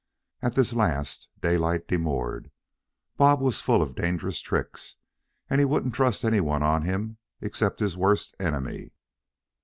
At this last Daylight demurred. Bob was full of dangerous tricks, and he wouldn't trust any one on him except his worst enemy.